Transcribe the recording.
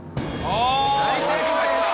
大成功です。